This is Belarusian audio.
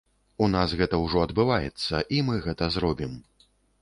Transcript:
У нас гэта ўжо адбываецца, і мы гэта зробім.